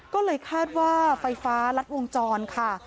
ก็เลยคาดว่าไฟฟ้ารัดวงจรค่ะ